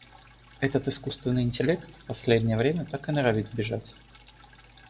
Этот искусственный интеллект, последнее время, так и норовит сбежать.